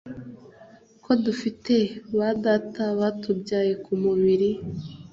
Ko dufite ba data batubyaye ku mubiri